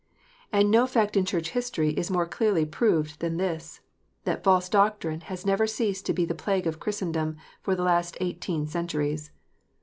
And no fact in Church history is more clearly proved than this, that false doctrine has never ceased to be the plague of Christendom for the last eighteen centuries.